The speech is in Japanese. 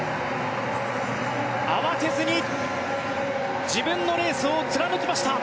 慌てずに自分のレースを貫きました。